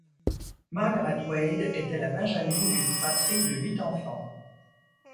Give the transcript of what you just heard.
Margaret Wade était la benjamine d'une fratrie de huit enfants.